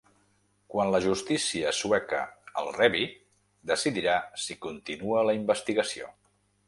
Quan la justícia sueca el rebi, decidirà si continua la investigació.